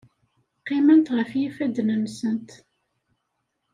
Qqiment ɣef yifadden-nsent.